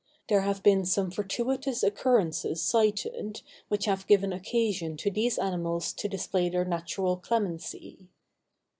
There have been some fortuitous occurrences cited which have given occasion to these animals to display their natural clemency.